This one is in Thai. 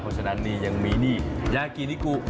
เพราะฉะนั้นยังมีนี่ยากินิกุ